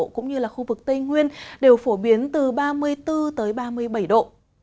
cũng như là khu vực tây nguyên đều phổ biến từ ba mươi bốn ba mươi bảy độ